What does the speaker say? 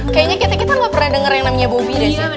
kayaknya kita gak pernah denger yang namanya bobi deh sih